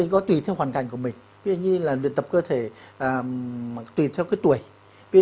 có tùy theo hoàn cảnh của mình luyện tập cơ thể tùy theo cái tuổi